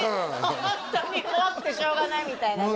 ホントに怖くてしょうがないみたいなね